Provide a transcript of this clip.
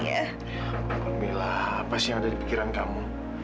ya ampun milla apa sih yang ada di pikiran kamu